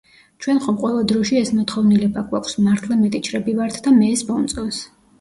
ჩვენ ხომ ყველა დროში ეს მოთხოვნილება გვაქვს, მართლა მეტიჩრები ვართ და მე ეს მომწონს.